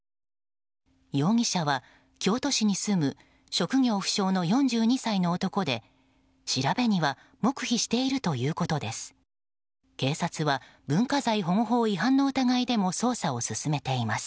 容疑者は京都市に住む職業不詳の４２歳の男で調べには黙秘しているということです。